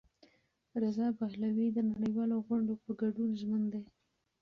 رضا پهلوي د نړیوالو غونډو په ګډون ژمن دی.